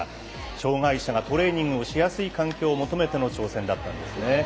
障がい者がトレーニングをしやすい環境を求めての挑戦だったんですね。